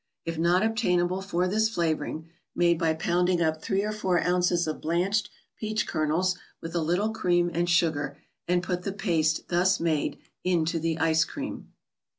If not obtainable for this flavoring, make by pounding up three or four ounces of blanched peach kernels with a little cream and sugar, and put the paste thus made into the ice cream.